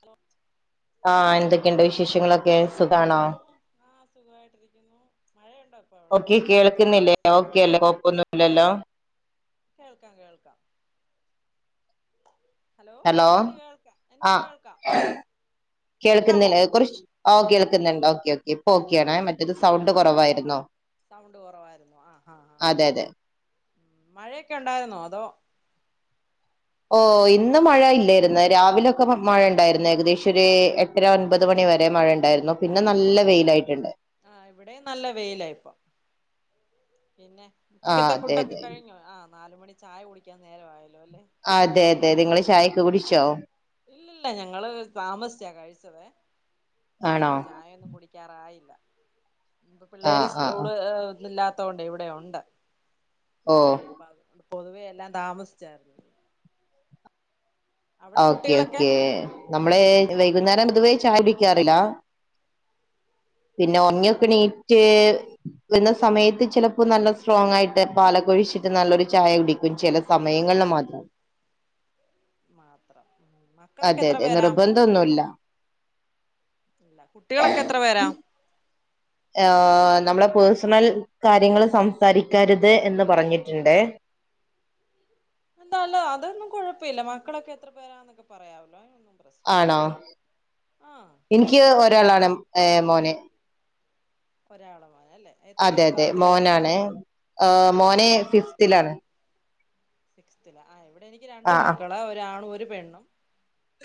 Hello ആ എന്തൊക്കെണ്ട് വിശേഷങ്ങളൊക്കെ സുഖാണോ ആ സുഖവായിട്ടിരിക്കുന്നു ഓക്കെ കേൾക്കുന്നില്ലേ ഓക്കെല്ലേ കൊഴപ്പൊന്നു ഇല്ലല്ലോ കേൾക്കാം കേൾക്കാ ഹലോ ആ കേൾക്കാമോ കേൾക്കുന്നില്ല കൊറച് ഓ കേൾക്ക്ന്നുണ്ട് ഓക്കേ ഇപ്പൊ ഒക്കെയാണ് മ ആ ആ സൗണ്ട് കൊറവായിരുന്നു ആഹ് ആഹ് ആഹ് അതെ അതെ മഴയൊക്കെ ഉണ്ടായിരുന്നോ അതോ ഓ ഇന്ന് മഴ ഇല്ലേരുന്നു രാവിലൊക്കപ്പം മഴ ഇണ്ടായിരുന്നു. ഏകദേശം ഒരു എട്ടര ഒൻപത് മണി വരെ മഴ ഇണ്ടായിരുന്നു. പിന്നെ നല്ല വെയിലായിട്ടുണ്ട് ആ ഇവിടേം നല്ല വെയിലാ ഇപ്പൊ പിന്നെ ആഹ് ഉച്ചക്കത്തെ അതെ ഫുഡൊക്കെ അതെ കഴിഞ്ഞോ ആ നാല് മണി ചായ കുടിക്കാൻ നേരവായ അതെ അതെ നിങ്ങള് ചായ കുടിച്ചോ ഇല്ലില്ല ഞങ്ങള് താമസിച്ചാ കഴിച്ചതേ ആണോ അതോണ്ട് ചായയൊന്നും കുടിക്കാറായില്ല ഇനീപ്പോ പിള്ളേര് ആഹ് ആഹ് സ്കൂള് ഇന്നില്ലാത്ത ത്തോണ്ടേ ഇവിടെ ഉണ്ട് ഓ അപ്പൊ അതുകൊ പൊതുവേ എല്ലാം താമസിച്ചാരുന്നു ഓക്കെ ഓക്കേ നമ്മളെ എ വൈന്നേരം പൊതുവേ ചായ കുടിക്കാറില്ല പിന്നെ ആഹ് ഒറങ്ങിയൊക്കെണീ എണീറ്റു വരുന്ന സമയത്ത് ചിലപ്പോ നല്ല സ്ട്രോങ് ആയിട്ട് പാലക്കൊഴിച്ചിട്ട് നല്ലൊരു ചായ കുടിക്കും ചില സമയങ്ങളിൽ മാത്രം മാത്രം മക്കളൊക്കെ അതെ എത്ര അതെ പേരാ നിർബന്ധമൊന്നുമില്ല കുട്ടികളൊക്കെ എത്ര പേരാ ആഹ് നമ്മളെ പേഴ്സണൽ കാര്യങ്ങൾ സംസാരിക്കരുത് എന്ന് പറഞ്ഞിട്ടുണ്ട് അല്ലാല്ല അതൊന്നും കുഴപ്പമില്ല മക്കളൊക്കെ എത്ര പേരാന്നൊക്കെ പറയാവല്ലോ അതിനൊന്നും പ്രശ്നമില്ല ആണോ ആഹ് എനിക്ക് ഒരാളാണ് ഏഹ് മോന് ഒരാളോ ആഹ് അതെ അതെ മോനാണ് ആ മോൻ ന് ഫിഫ്തിലാണ് സിക്സ്തില ആ എവ് എനിക്ക് രണ്ട് ആഹ് മക്കളാ ഒരാണു ഒ ഒരു പെണ്ണും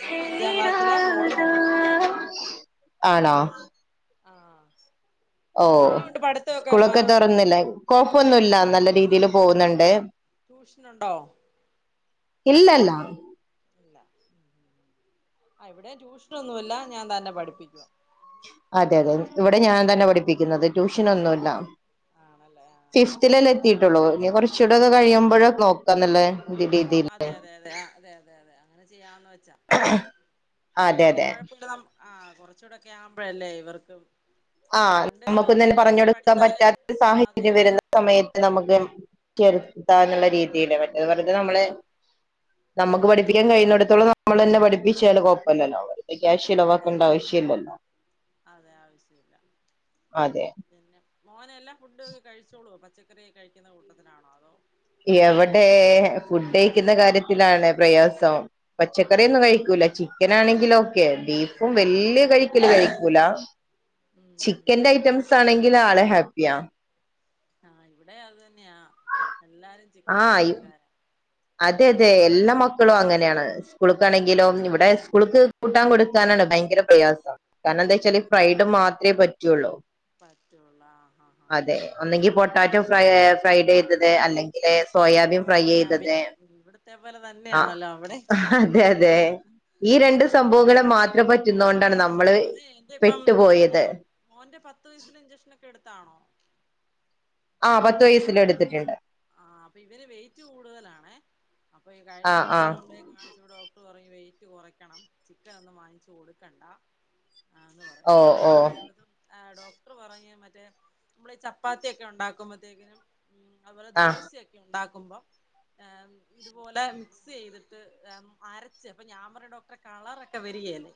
മോൻ അഞ്ചാം ക്ലാസ്സില് മോള് ആഹ് മൂന്നാം ക്ലാസ്സില് ആണോ ആ ഓ സ്കൂളൊക്കെ തുറന്നില്ലേ കൊഴപ്പൊന്നുമില്ല നല്ല രീതില് പോകുന്നുണ്ട് ട്യൂഷനുണ്ടോ? ഇല്ലല്ല ഇവിടെ ട്യൂഷനൊന്നുമില്ല ഞാൻ തന്നെ പഠിപ്പിക്കുവാ. അതെ അതെ ഇവിടെ ഞാൻ തന്നെ പഠിപ്പിക്കുന്നത് ട്യൂഷൻ ഒന്നും ഇല്ല ആണല്ലേ ഫിഫ്തിൽ അല്ലെ ആഹ് എത്തിയിട്ടുള്ളൂ ഇനി കുറ ഇച്ചിരിക്കൂടെ കഴിയുമ്പഴേ നോക്ക് അതെ അതെ അതെ അതെതെ അതെ അങ്ങനെ ചെയ്യാന്ന് വെച്ചാ അതെ അതെ വലിയകുഴപ്പ ന ആ കൊറച്ചൂടെക്കെ ആവുമ്പോഴല്ലേ ഇവർക്കും ആ രണ്ട് നമുക്ക് എന്തേലും രണ്ടിടത്ത് പറഞ്ഞൊടുക്കാൻ പഠിച്ചാല് പറ്റാത്ത ആ അതെ സാഹചര്യം അതെ വരുന്ന സമയത്ത് നമുക്ക് ചെറുതാ എന്നുള്ള രീതിയില് മറ്റ് ഞാൻ പറഞ്ഞു നമ്മളെ അതെ നമ്മുക്ക് അതെ അതെ പഠിപ്പിക്കാൻ കഴിയുന്നിടത്തോളം ന നമ്മള് തന്നെ പഠിപ്പിച്ചാല് കുഴപ്പമില്ലല്ലോ അവരെ ക്യാശ് അതെ ചെലവാക്കേണ്ട അതെ ആവശ്യ ഇല്ലല്ലോ? അതെ ആവശ്യമില്ല അതെ പിന്നെ മോന് എല്ലാ ഫുഡൊക്കെ കഴിച്ചോളൂവോ? പച്ചക്കറിയെക്കെ കഴിക്കുന്ന കൂട്ടത്തിലാണോ അതോ? എവിടെ ഫുഡ് കഴിക്കുന്ന കാര്യത്തിലാണ് പ്രയാസം ആ പച്ചക്കറിയൊന്നും കഴിക്കൂല ചിക്കൻ ആണെങ്കി ഓകെ ബീഫും വല്യ കഴിക്ക [unintelligible] കഴിക്കൂല ഉം ചിക്കന്റെ ഐറ്റംസ് ആണെങ്കിൽ ആളെ ഹാപ്പിയ ആ ഇവിടേം അത് തന്നെയാ എല്ലാരും ചിക്കന്റെ ആഹ് ആൾക്കാരാ അതെ അതെ എല്ലാ മക്കളും അങ്ങനെയാണ് സ്കൂളക്കാണെങ്കിലും ഉം ഇവിടെ സ്കൂളക്ക് കൂട്ടാൻ കൊടുക്കാനാണ് ഭയങ്കര പ്രയാസം കാരണം എന്താ വച്ചാല് ഈ ഫ്രൈഡും മാത്രമേ പറ്റുള്ളൂ പറ്റുള്ളൂ ആ ആ ആ അതെ ഒന്നെങ്കി പൊട്ടാറ്റോ ഫ്രയ് ഫ്രൈഡ് ചെയ്തത് അല്ലെങ്കില് സോയാബീൻ ഫ്രൈ ചെയ്ത ഇവിടെ അതേ പോലെ തന്നെയണല്ലോ അവിടെ അതെ അതെ ഈ ആ രണ്ട് സംഭവങ്ങളെ മാത്രം പറ്റുന്നോണ്ടാണ് പക്ഷേ നമ്മള് ഉള്ളോരേ എന്റെ ഇപ്പം പെട്ടുപോയത് മോന്റ പത്തു വയസിലെ ഇഞ്ചക്ഷൻ ഒക്കെ എടു താണോ ആ പത്ത് വയസ്സിലേ എടുത്തിട്ടുണ്ട് ആഹ അപ്പൊ ഇവന് വെയിറ്റ് കൂടുതലാണേ അപ്പൊ ഈ ആ കഴിഞ്ഞ ആ ദിവസം കൊണ്ട് പോയി കാണിച്ചപ്പം ഡോക്ടർ പറയുവ വെ കുറക്കണം ചിക്കൻ ഒന്നും വാങ്ങിച്ചു കൊടുക്കണ്ട. ആന്ന് പറ ഓ ഓ കഴിവതും ആ ഡോ പറ മറ്റേ നമ്മള ഈ ചപ്പാത്തിൊക്കെ ഉണ്ടാക്കുമ്പോത്തേക്കിനും ഉ അവരെ ആ ദോശൊക്കെ ഉണ്ടാക്കും ്പ ഇതുപോലെ മിക്സ് ചെയ്തിട്ട് അരച്ച് അപ്പ ഞയാമറ ഡോക് കളറൊക്കെ വരികല്ലേ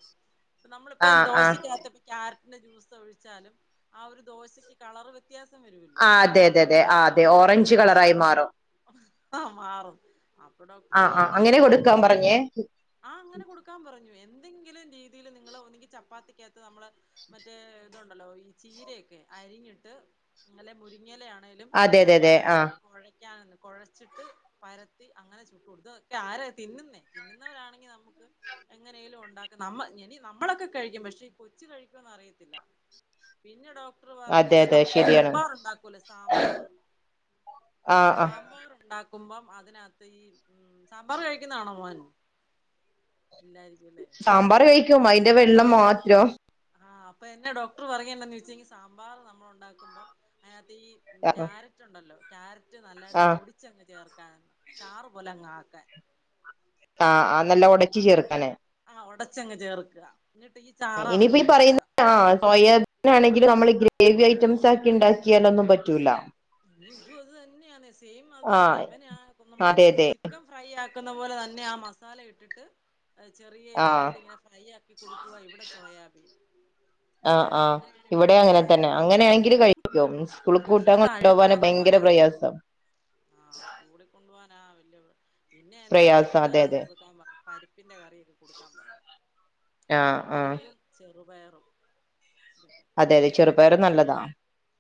ആ നമ്മളിപ്പ ആ ദോശക്കകത്തപ്പ ആർക്കും ജ്യൂസ് ഒഴിച്ചാലും ആ ഒരു ദോശക്ക് കളർ വ വ്യത്യാസം വരുല്ലോ ആ അതെ അതെ ബീട്രൂട്ട് അതെ ആണ് ആ അതെ ഓറഞ്ച് കളറായി മാറും. ആ ഇ ഡോക്ടർ ആ ആ അങ്ങനെ എങ്ങനെലും കൊടുക്കാൻ കൊച്ചിനെ പറഞ്ഞേ ആ അങ്ങനെ കൊടുക്കാൻ പറഞ്ഞു എന്തെങ്കിലും രീതിൽ നിങ്ങൾ ഒന്നക്ക് ചപ്പാത്തി നമ്മ മറ്റേ ഇതുണ്ടല്ലോ ഈ ചീരൊക്കെ അരിഞ്ഞിട്ട് നല്ല മുരിങ്ങലയാണ് അതെ അതെ അതെ ചപ്പാത്തി ആ കക്കഴ കുഴച്ചിട്ട് പരത്തി അങ്ങനെ ചുട്ട കൊടുത്തൊക്കെ ആര തിന്നുന്നേ തിന്നുന്നവരാണെങ്കി നമുക്ക് എങ്ങനെലും ഉണ്ടാക്ക നമ്മ നമ്മളൊക്കെ കഴിക്കും പക്ഷെ ഈ പൊച്ച കഴിക്കുംന്ന് അറിയത്തില്ല പിന്നെ അതെ പറഞ്ഞത് അതെ നമ്മള് ശരിയാണ് സാമ്പാർണ്ടാക്കൂല്ലേ സാമ്പാർ ആ ആ സാമ്പാർ ഉണ്ടാക്കുമ്പം അതിനകത്ത് ഈ ഉ സാമ്പാർ കഴിക്കുന്നതാണോ മോൻല്ലരിക്കും സാമ്പാർ കഴിക്കും അതിന്റെ വ എള്ള മാത്രം ആഹ് അപ്പൊ എന്നെ ഡോക്ടർ പറയേണ്ടന്ന് ചോെച്ചിൽ സാമ്പാർ നമ്മൾ ഉണ്ടാക്കുമ്പം അക ഈ ആ ക്യാരറ്റ് ഉണ്ടല്ലോ റ്റ നല്ലായിട്ട് ആ പൊടിച്ചങ്ങ് ചേർക്കാ ചാറ്പൊല ആഹ അ നല്ല ഉടച്ചു ചേർക്കാന പച്ചങ്ങ ചേർക്ക ഇനിയിപ്പ ഈ പറയുന്ന ആ സോയാബീൻ ആണെ നമ്മള് ഗ്രേവി ഐറ്റംസ് ആക്കെ ഉണ്ടാക്കിയാലൊന്നും പറ്റൂല ഇതും അത് തന്നെയാണ് സെയിം അത് തന്നെ ആഹ് ഇവന നമ്മള് അതെ അതെ ചിക്കൻ ഫ്രൈ ആക്കുന്ന പോലെ തന്നെ ആ മസാല ഇട്ട വിട്ട് ചെറിയ ആഹ് ഇതായിട്ട് ഇങ്ങനെ ഫ്രൈ ആക്കി കൊടുക്കുവ ഇവിടെ സോയാബീൻ ആഹ് അപ്പൊ ആഹ് അങ്ങനെയാണ് ഇവിടെ ഇവിടെയും അങ്ങനെ തന്നെ ചെയ്യുന്നത് അങ്ങനാണെങ്കിൽ കഴിക്കും സ്കൂൾക്ക് പക്ഷെ കൂട്ടാൻ അത് കൊണ്ടുപോകാന അഴുക്കാന്നാ ആ സ്കൂ കൊ [unintelligible] [unintelligible] പിന്നെ എന്നാ പ്രയാസം പരിപ്പ് അതെ കറിയൊക്കെ അതെ കൊടുക്കാൻ പറയും പരിപ്പിന്റെ കറിയൊക്കെ കൊടുക്കാൻ പറയും ആഹ് ആഹ് പരിപ്പും രുപയറും അതെ അതെ ചെറുപയറും നല്ലതാ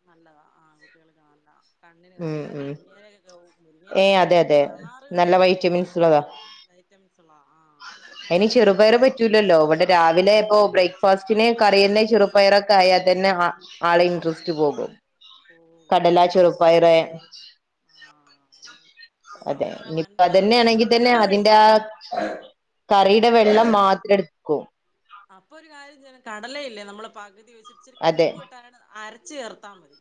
നല്ലതാ ആ വെളുക്കാനും ന കണ്ണിന് ഉം കാഴ്ച ഉം മുരിങ്ങയിലൊക്കെ ഏഹ് മുരിങ്ങലൊക്കെ അതെ അതെ നല്ല ചാറുകറിയൊക്കെ വെച്ച് വൈറ്റമിൻസ് കൊടുക്കാനാ ഉള്ളതാ ഐറ്റംസ്ള്ള ആ അയിന് അ ചെറുപയർ അതൊക്കെ ഫാസ്റ്റിന് കറിയന്നെ ചെറുപ്പയറൊക്കെ ആയാതന്നെ ആളെ ഇൻറ്രസ്റ്റ് പോകും ഓ ആ ആ ചെറുപയർ ആഹ് അതെ ചെറുപയറ് ഇ അതെ വൻപയർ ഇതൊക്കെ നല്ല ന്നെണെങ്കിൽ തന്നെ കടല അതിന്റെ കഴിക്കോ ആ കറി ടെ വെള്ളം മാത്രം എടുക്കൂ അപ്പൊ ഒരു കാര്യം ചെയ്യണം കടലയില്ലേ നമ്മളെ [unintelligible] ച്ചൊരി അതെ കൊഴുപ്പ്കിട്ടാൻ അരച്ച് ച്ച് ചേർത്താ മതി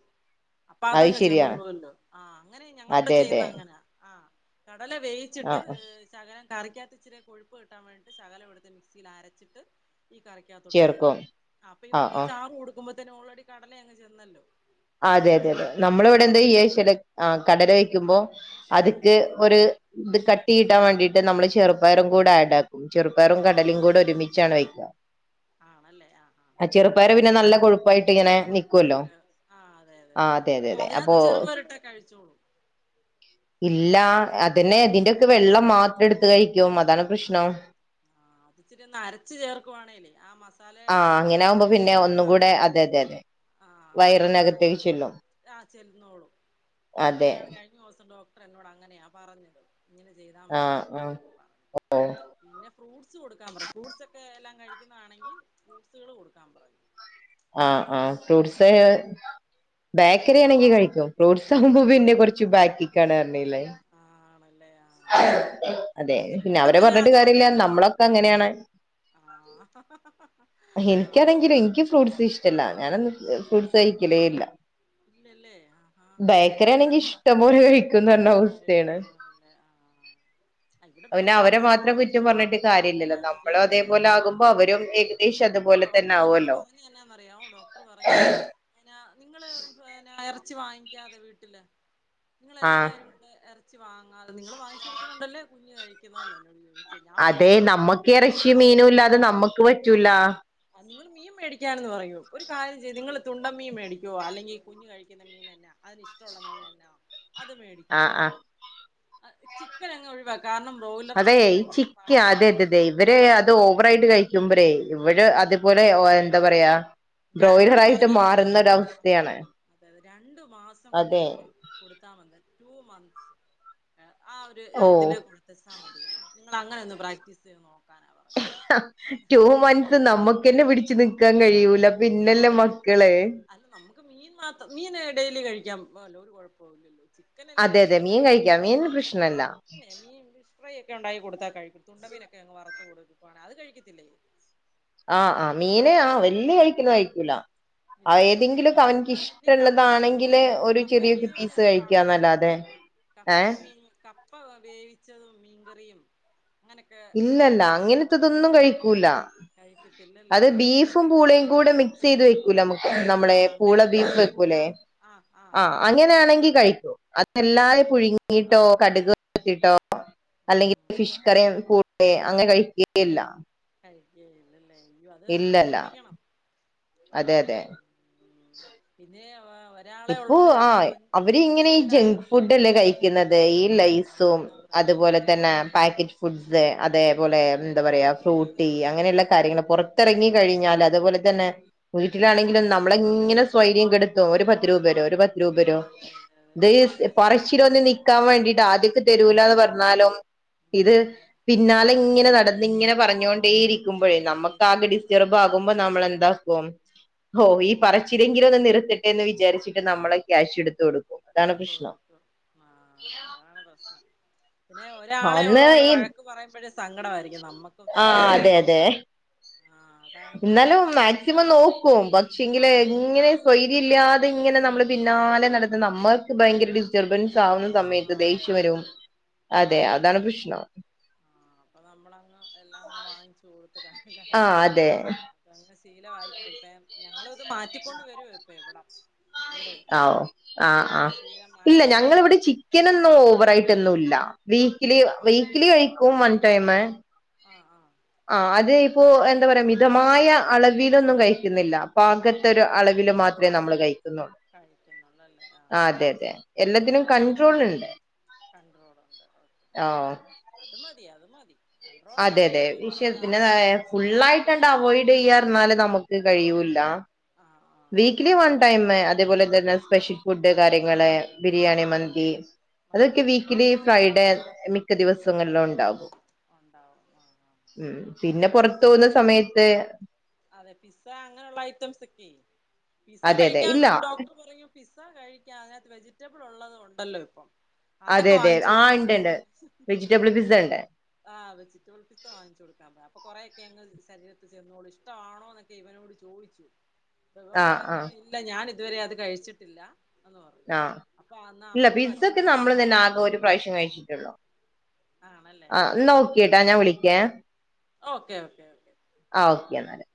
അപ്പൊ അത് ശരിയാണ് അതങ്ങ്ചെന്നോളല്ലോ ആ അങ്ങനെ ഞങ്ങള് ഇവിടെ അതെ അതെ ചെയ്യുന്ന അങ്ങനെയാ ആ കടല വേയിച്ചിട്ട് ആഹ് ശകലം കറിക്കാത്ത ഇച്ചിരി കൊഴുപ്പ് കിട്ടാൻ വേണ്ടിട്ട് ശകലം എടുത്ത് മിക്സിയിൽ അരച്ചിട്ട് ഈ കറിയ്കത്തോട്ട് ചേർക്കും അപ്പൊ ആഹ് ഇവർക്ക്ഈ ആഹ് ചാറു കൊടുക്കുമ്പോൾ ഓൾറെഡി കടല അങ്ങ് ചെന്നല്ലോ അതെ അതെ അതെ നമ്മള ഇവിടെ ആഹ് എന്താചെയ്യാന്നുവെച്ചാല് കടല വ യ്യുമ്പോ ഉം അത്ക്ക് ഒരു ഇത് കട്ട കട്ടി കിട്ടാൻ വേണ്ടിയിട്ട് നമ്മള് ചെറുപ്പഴം കൂടെ ആടി ചെയ്യും ചെറുപയറും ആടാ കടലും കൂടെ ഒരുമിച്ചാണ് വയ്ക്കുന്നത് ആണല്ലേ ആഹ് ആ ആഹ് ചെറുപയർ പിന്നെ നല്ല [inaudible] വായിട്ട് ഇങ്ങനെ നിക്കുവല്ലോ കൊഴുപ്പായിട്ട് ആഹ് അതെ ആ അതെ അതെ അതെ അപ്പോ ചോളും ഇല്ല അതന്നെ ഇതിന്റെക്കെ വെള്ളം മാത്രം എടു ത്ത് കഴിക്കും അതാണ് പ്രശ്നം ആ അത്ച്ചിരി ഒന്ന് അരച്ചു ചേർക്കുവാണെേലേ ആ ആഹ് മസാലയുടെ കൂടെ അങ്ങനെ അങ്ങ് ആകുമ്പോ പിന്നെ ചേർന്ന് കഴിയുമ്പോ ഒന്നും കൂടെ അറിയുന്നില്ല അതെ അതെ അതെ ആഹ അങ്ങനെ ചെയ്തോ വയറിനകത്തേക്ക് ചെല്ലും ആ ചെന്നോളും അതെ അങ്ങനെയാണ് കഴിഞ്ഞ ദിവസം ഡോക്ട ത്ര എന്നോട് അങ്ങനെയാ പറഞ്ഞത് ഇങ്ങനെ ചെയ്താ മതി ആഹ് ആഹ് പറഞ്ഞു ഓഹ് പിന്നെ ഫ്രൂട്സ് സ് കൊടുക്കാൻ പറ ഫ്രൂട്ട്സ് ഒക്കെ എല്ലാം കഴി എന്നാണെങ്കിൽ ഫ്രൂസുകള് കൊടുക്കാൻ പറഞ്ഞ് ആഹ് ആഹ് ഫ്രൂട്ട്സ് ബേക്കറി ആണെങ്കി കഴിക്കും ഫ്രൂട്ട്സ് ആവുമ്പോൾ പിന്നെ കുറ ച്ച് ബാക്കിക്കാണ് റഞ്ഞില്ലേ ആണല്ലേ ആഹ് അതെ ഫ്രൂട്ട്സ് പിന്നെ ഇവിടെ അവരെ പറഞ്ഞിട്ട് അത് കൊഴ കാര്യല്ലാ നമ്മളൊക്കെ അതെ അതെ അങ്ങനെയാണ് ആഹ് ആഹ് എനിക്കാണെങ്കിലും അന്നേരം എനിക്ക് ഫ്രൂട്ട്സ് ഇഷ്ടല്ല ഞാനൊ ഇഷ്ട ഫ്രൂട്ട്സ് കഴിക്കലേ ഇല്ല ഇല്ലല്ലേ ആഹാ ബേക്കറി ഒരു ആണെങ്കിൽ ഇഷ്ടംപോ കഴിക്കുമെന്ന പറഞ്ഞ അവസ്ഥയാണ് കഴിക്കാല്ലേ ആഹ് ഇവിടെ പിന്നെ അവരെ ഫ്രൂട്ട്സ് ഒക്കെ മാത്രം കുറ്റം കഴിച്ചോളും പറഞ്ഞിട്ട് കാര്യമില്ലല്ലോ നമ്മള കാര്യല്ല അതേപോലെ കാര്യല്ല ആകുമ്പോ അവരും ആഹ് ഏകദേശം അപ്പൊ അതുപോലെ തന്നെ ഡോക്ടർ എന്നോട് ആവുമല്ലോ പറഞ്ഞ എന്നാന്നറിയാവോ ഡോക്ടർ പറഞ്ഞത് പിന്ന നിങ്ങള് പിന്നാ ഏറ ചി വാങ്ങിക്കാതെ വീട്ടില് ആഹ് നിങ്ങളെല്ലാരും പിന്നെ എറ വാങ്ങാതെ നിങ്ങള് വാങ്ങിച്ചു കൊടുക്കുന്നോണ്ടല്ലേ കുഞ്ഞ് കഴി ക്കുന്നെന്ന് എന്നോട് ചോയിച്ചേ അതെ നമ്മക്ക് ഇറച്ചി മീനും ഇല്ലാതെ നമ്മക്ക് പറ്റൂല നിങ്ങൾ മീൻ മേടിക്കാനെന്ന് പറയും ഒരു കാര്യം ചെയ്യ് നിങ്ങള് തുണ്ടം മീൻ മേടിക്കുവോ അല്ലെങ്കിൽ കുഞ്ഞു കഴിക്കുന്ന മീൻ എന്നാ അതിന് ഇഷ്ടമുള്ള മീൻ എന്നാ അത് മേടിക്ക്‌ ആഹ് ആഹ് ചിക്കൻ അങ്ങ് ഒഴിവാക്ക അതെ ഈ ചിക്ക അതെ അതേതെ ഇവരെ അത് ഓ ഓവർ ആയിട്ട് കഴിക്കുമ്പഴെ ഇവിടെ ഉം അതുപോലെ ഓ എന്താ പറയാ ഞാ ബ്രോയിലർ എന്നോട് ആയിട്ട് മാറുന്നൊരവസ്ഥയാണ് രണ്ടും മാസം കൂടുമ്പം കൊടുക്കാമെന്ന് ടൂ മന്ത്സ് ആ ഒരു ഓ ഇതില് കൊടുത്തേച്ചാൽ മതിയെന്ന് നിങ്ങള് അങ്ങനൊന്ന് പ്രാക്ടീസ് ചയ്തു നോക്ക് ടു മന്ത്സ് മ്മക്ക് ന്നെ പിടിച്ചു നിക്കാൻ കഴിയൂല പിന്നല്ലേ അല്ലന്ന് മക്കള് അല്ല നമുക്ക് മീൻ മാത്രം മീന് ഡെയ് ലി കഴിക്കാം ഒരു കൊഴപ്പോമില്ലല്ലോ അതെ അതെ മീൻ കഴിക്കാം മീൻ പ്രശ്നല്ല പിന്നെ മീൻ ഫിഷ് ഫ്രൈ ഒക്കെ ഉണ്ടാക്കി കൊടുത്താ കഴിക്കും തുണ്ടമീനൊക്കെങ്ങ് വറുത്ത് കൊടുക്കവാണെ അത് കഴിക്കത്തില്ലേ ആഹ് ആ മീന് ആ വല്ല്യ [unintelligible] [unintelligible] കഴിക്കൂല ആ ഏതെങ്കിലൊക്കെ അവൻക്ക് പിന്നെ ഈ കപ്പയും ഇഷ്ടള്ളതാണെങ്കില് മീനും ഒരു കപ്പയും ചെറിയ മീനും ഒക്കെ പീസ് ഇഷ്ടമാണെങ്കിലേ കഴിക്കാന്നല്ലാതെ ഏ കപ്പയും മീനും കപ്പ വേവിച്ചതും മീൻകറിയും അങ്ങനൊക്കെ ഇല്ലല്ല കൊടു ഇല്ല അങ്ങനത്തതൊന്നും കഴിക്കൂല കഴിക്കത്തില്ലല്ലേ അത് ആഹ് ബീഫും ആഹ് പൂളയും കൂടെ മി ക്സ്യ്ത് വെ കൂല മ്മക്ക് നമ്മളെ ആഹ് അങ്ങനത്തെ പൂളബീഫ് ആഹ് വെക്കൂലെ ആഹ് ആഹ് ആഹ് ആ കപ്പ ആഹ് അങ്ങനെയാണെങ്കി കഴിക്കും അതല്ലാതെ കഴിക്കും പുഴുങ്ങിട്ടോ കടുക് [unintelligible] ട്ടോ അല്ലെങ്കിൽ ഫിഷ് കറി കൂ റി അങ്ങനെ കഴികുകേഇല്ല ഇല്ലല്ലേ അയ്യോ അത് ഇല്ലല്ല ശീലിപ്പിക്കണം അതെ അതെ പിന്നെ ഒരാളെ ഇപ്പൊ ഉള്ളോണ്ട് ആ ചിലപ്പം കൊ അവര് ഇങ്ങനെ ഈ ജങ്ക് കൊഞ്ചിക്കലായോണ്ടും ഫുഡല്ലേ കഴിക്കുന്നത് ഈ ആഹ് ലൈസും അതാ പറഞ്ഞെ അതുപോലെ ആഹ് തന്നെ അതെ അതെ പാക്കറ്റ് ഫുഡ്സ് അതേപോലെ ഉം എന്താ പറയാ- അതെ അതെ ഫ്രൂട്ടി അങ്ങനെയുള്ള കാര്യങ്ങൾ പുറ ത്തെറങ്ങി- കഴിഞ്ഞാല് കുറച്ച് അത്പോലെ തന്നെ ഉം വീട്ടിലാണെങ്കിലും നമ്മള് ഇങ്ങനെ സ് സ്വൈര്യം കെടുത്തും ഒരു പ ത്ത് രൂപേര്വോ ഒരു പത് രൂപരോ അതെ അതെ അതെ ഇത് അതെ അതെ പറച്ചിലൊന്ന് നിക്കാൻ വേണ്ടിട്ടാ ആദ്യോക്കെ- തരൂലാന്ന് പറഞ്ഞാലും ഇത് ഉം പിന്നാലെ ഇങ്ങനെ നട തിങ്ങനെ പറഞ്ഞോണ്ടെ നടന്ന് ഇരിക്കുമ്പോഴേ നമുക്ക് ആകെ ഇരിക്കുമ്പോ ഡിസ്റ്റർബ് ആകുമ്പോ നമ്മളെന്താ ഓം- ഹോ ഉം ഈ കൊടുക്കും പറച്ചിലെങ്കിലും ഒന്ന് നിറുത്തട്ടെന്ന് വി വിചാരിച്ചിട്ട് നമ്മള് ക്യാഷ് എടുത്ത് കൊടുക്കും അതാണ് പ്രശ്നം കൊടുക്കും ആഹ് അതാണ് പ്രശ്നം, - പിന്നെ ആ, ഒരാളെ ഒന്ന് ഉള്ളോണ്ട് ഈ വഴക്ക് പറയുമ്പഴേ സ് സങ്കടമായിരിക്കും നമ്മക്കും ആ സങ്കടം അതെ ആയിരിക്കും- അതെ എന്നാലും മാക്സിമം നോക്കും പക്ഷെങ്കില് ആഹ് ആഹ് എങ്ങനെ സ്വൈര്യ ഇല്ലാതെ- അവരിങ്ങനെ നമ്മളെ പിന്നാലെ നടന്ന് നമ്മൾക്ക് ഭയങ്കര ഡിസ്റ്റർബൻസ്. ഇത് ആവുന്ന സമയത്ത് ആഹ് അതെ ദേഷ്യം അതെ വരും അതെ അതെ ആഹ് അതാണ് അതെ പ്രശ്നം. ആഹ് അപ്പൊ ആ അതെ [unintelligible] തീയില വായി പോയി പെമ്ഞ്ഞ ഞങ്ങളത് മാറ്റിക്കൊണ്ട് വരോ ഇപ്പ ഇ വിടാ ആ ഓ ആ ആ ഇല്ല മാറ്റി ഞങ്ങളിവിടെ ഏഹ് ച്ചി ക്കനൊന്നും ഓവറായിട്ടൊന്നുല്ല വീക്കിലി ഇല്ല വീക്കിലി കഴി ഉം വൺ ടൈമ് ആഹ് ആഹ് ആ അത് ഇപ്പോ എന്താ പറയാ മിതമായ അളവിലൊന്നും കഴിക്കുന്നില്ല പാകത്തെ ഒരു ഇല്ല അളവിൽ മാത്രമേ നമ്മൾ കഴിക്കുന്നൊള്ളൂ കഴിക്കുന്നുള്ളല്ലേ ആഹ് ആ ആഹ് അതെ ആഹ് അതെ എല്ലത്തിനും കൺട്രോള് ഇണ്ട് കൺട്രോളുണ്ട് ഓക്കെ ഓ അത് മതി അത് മതി കൺട്രോൾ അതെ അതെ ആക്കി കൊടുത്താ മതി വിശപ്പിന്റെതായ ഫുള്ളായിട്ട്ണ്ട് അവോയ്ഡ് ചെയ്യാന്ന് ആഹ് ഞ്ഞാൽ നമുക്ക് കഴിയൂല്ല ആഹ് ആഹ് ആഹ് ആഹ് വീക്കിലി വൺ ടൈമ് അത് അതേപോലെ തന്നെ സ്പെഷ്യൽ ഫുഡ് കാര്യങ്ങള് ബിരിയാണി ഉം മന്തി അതൊക്കെ മന്തി ആഹ് വീക്കിലി ഫ്രൈഡേ മിക്ക ദിവസങ്ങ ന്നും ഉണ്ടാവും പോകുന്ന സമയത്ത് അതെ പിസ അങ്ങനെയുള്ള ഐറ്റംസ് ഒക്കെ പിസ അതെ അതെ ഇല്ല കഴിക്കാന്ന് ഡോക്ടർ പറയും പിസ കഴിക്കാ അങ്ങ വെ ജിറ്റബിൾ ഉള്ളത് ഉണ്ടല്ലോ ഇപ്പം അതെ അതൊക്കെ അതെ വാങ്ങിച്ചു ആ കൊടുക്കാൻ ഇണ്ട് പറഞ്ഞു ണ്ട് വെജിറ്റബിൾ പിസ്സ ഉണ്ട് ആഹ് വെജിബിൾത്തെ വങ്ങിച്ചു കൊടുക്കാ പ അപ്പൊ കൊറേയൊക്കെ അങ്ങ് ശരീരത്ത് ചെന്നോളൂ ഇഷ്ടമാണോ എന്നൊക്കെ ഇവനോട് ചോയിച്ചു ദവൻ ആഹ് പറഞ്ഞു ആഹ് ഇല്ല ഞാനി ഇതുവരെ അത് കഴിച്ചിട്ടില്ല എന്ന് പറഞ്ഞു ആ അപ്പൊ അന്നാ ഇല്ല അമ്മയോടും പിസ്സക്കെ അച്ഛനോടും നമ്മൾ പറയണം തന്നെ ആകെ ഒരു പ്രാവശ്യം കഴിച്ചിട്ടുള്ളോ ആണല്ലേ ആ ആഹ് ആഹ് നോക്കിട്ടാ ഞാൻ വിളിക്കേ ഓക്കെ ഓക്കെ ഓക്കെ ആ ഓക്കെന്നാല്